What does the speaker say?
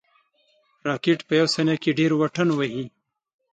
راکټ په یو ثانیه کې ډېر واټن وهي